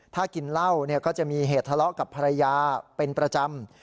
ถ้ากินเหล้าก็จะมีเหตุทะเลาะกับภรรยาเป็นประจำ